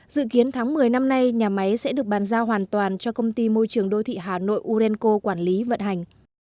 dự kiến tháng một mươi năm nay nhà máy sẽ được bàn giao hoàn toàn cho công ty môi trường đô thị hà nội urenco quản lý vận hành